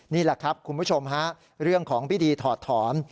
นี่แหละครับคุณผู้ชมฮะเรื่องของพิธีถอดถอน